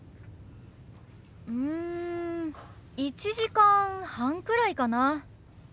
うん１時間半くらいかな。